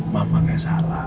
mama gak salah